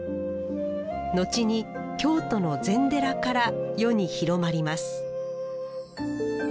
後に京都の禅寺から世に広まります